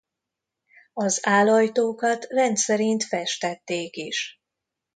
Az álajtókat rendszerint festették is.